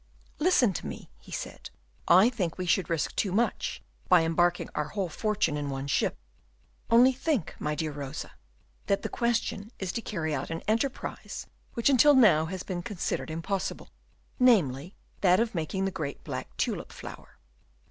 "Listen to me," he said. "I think we should risk too much by embarking our whole fortune in one ship. Only think, my dear Rosa, that the question is to carry out an enterprise which until now has been considered impossible, namely, that of making the great black tulip flower.